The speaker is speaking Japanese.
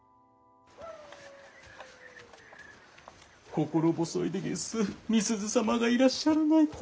心細いでげす美鈴様がいらっしゃらないと。